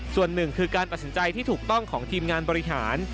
ส่วนหนึ่งคือการตัดสินใจที่ถูกต้องของทีมงานบริหาร